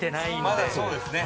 伊達：まだ、そうですね。